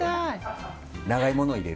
長イモのを入れる。